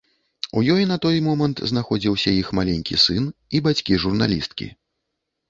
У ёй на той момант знаходзіліся іх маленькі сын і бацькі журналісткі.